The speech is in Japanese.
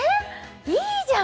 いいじゃん！